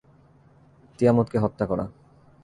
তিয়ামুতকে হত্যা করা।